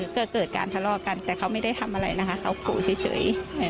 ก็เกิดการทะเลาะกันแต่เขาไม่ได้ทำอะไรนะคะเขาขู่เฉย